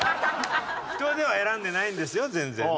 人では選んでないんですよ全然ね。